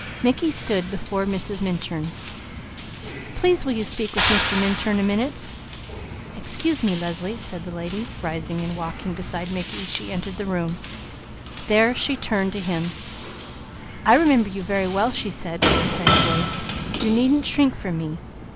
Mickey stood before Mrs. Minturn. "Please will you speak with Mr. Minturn a minute?" "Excuse me Leslie," said the lady, rising, and entering the private room. There she turned to Mickey. "I remember you very well," she said, with a steady voice. "You needn't shrink from me.